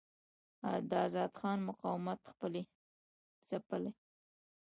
د آزاد خان مقاومت ځپلی.